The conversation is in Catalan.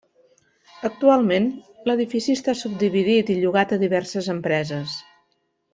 Actualment l'edifici està subdividit i llogat a diverses empreses.